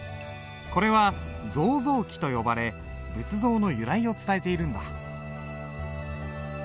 これは造像記と呼ばれ仏像の由来を伝えているんだ。